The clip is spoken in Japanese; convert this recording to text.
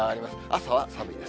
朝は寒いです。